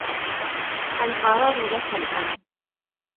القرار لك الآن.